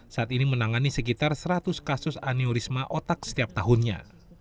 saat ini menangani sekitar seratus kasus aneurisma otak setiap tahunnya